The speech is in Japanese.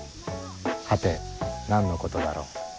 はて何のことだろう。